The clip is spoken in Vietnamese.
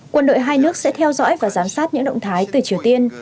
quân đội hai nước sẽ theo dõi và giám sát những động thái từ triều tiên